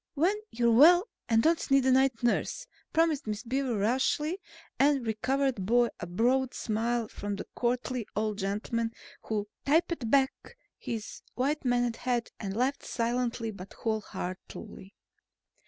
"When you're well and don't need a night nurse," promised Miss Beaver rashly and was rewarded by a broad smile from the courtly old gentleman who tipped back his white maned head and laughed silently but whole heartedly.